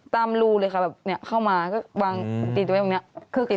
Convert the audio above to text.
ตามรูเลยค่ะเข้ามาก็วางตรงนี้